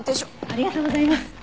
ありがとうございます。